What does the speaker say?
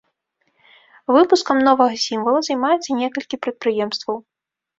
Выпускам новага сімвала займаецца некалькі прадпрыемстваў.